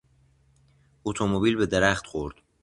اتومبیل به درخت خورد.